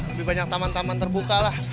lebih banyak taman taman terbuka lah